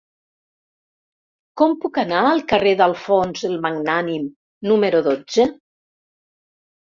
Com puc anar al carrer d'Alfons el Magnànim número dotze?